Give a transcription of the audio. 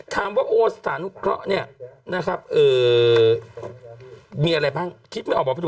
ถามว่าโอสธานุเคราะห์มีอะไรบ้างคิดไม่ออกบอกไปดู